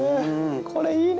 これいいね！